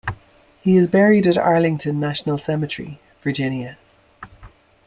He is buried at Arlington National Cemetery, Virginia.